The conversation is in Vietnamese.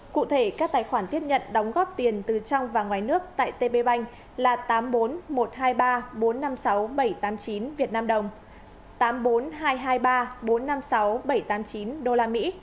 cụ thể các tài khoản tiếp nhận đóng góp tiền từ trong và ngoài nước tại tp bank là tám mươi bốn một trăm hai mươi ba bốn trăm năm mươi sáu bảy trăm tám mươi chín vnđ tám mươi bốn hai trăm hai mươi ba bốn trăm năm mươi sáu bảy trăm tám mươi chín usd tám mươi bốn ba trăm ba mươi ba bốn trăm năm mươi sáu bảy trăm tám mươi chín eur